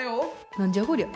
何じゃこりゃ？